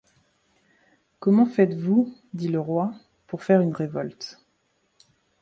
Comment faites-vous, dit le roi, pour faire une révolte?